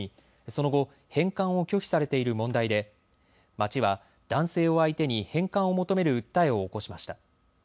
その後、返還を拒否されている問題で町は男性を相手に返還を求める訴えを起こしました。